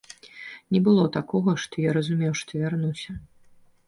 Не было такога, што я разумеў, што вярнуся.